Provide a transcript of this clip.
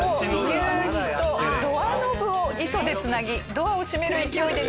乳歯とドアノブを糸でつなぎドアを閉める勢いで抜こうとしています。